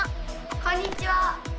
こんにちは！